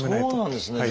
そうなんですね。